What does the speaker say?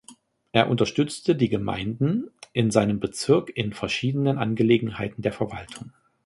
Er unterstützte die Gemeinden in seinem Bezirk in verschiedenen Angelegenheiten der Verwaltung.